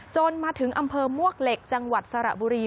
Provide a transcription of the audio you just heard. จนมาถึงอำเภอมวกเหล็กจังหวัดสระบุรี